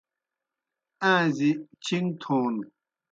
آݩزی چِھݩگ تھون